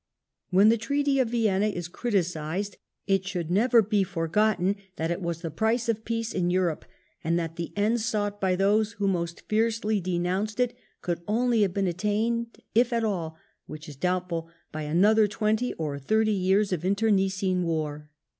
When the Treaty of Vienna is criticised, it should never be forgotten that it was the I)ricc of peace in Europe, and that the ends sought by those who most fiercely denounced it could only have been attained if at all, which is doubtful, by another twenty or thirty years of internecine war.